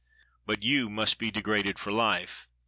But you must be degraded for life.